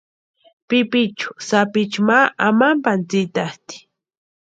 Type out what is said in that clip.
Pipichu sapichu ma amampani tsïtasti.